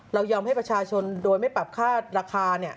เรายอมให้ประชาชนโดยไม่ปรับค่าละคาเนี่ย